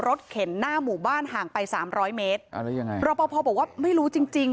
เข็นหน้าหมู่บ้านห่างไปสามร้อยเมตรอ่าแล้วยังไงรอปภบอกว่าไม่รู้จริงจริง